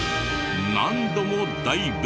何度もダイブ。